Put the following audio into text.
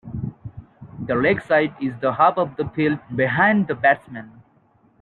The leg side is the half of the field "behind" the batsman.